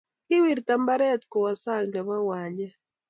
Kiwirta mbiret kowa sang nebo uwanjet